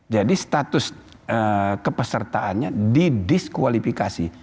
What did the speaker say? jadi status kepesertaannya didiskualifikasi